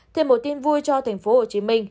thêm một tin vui cho tp hcm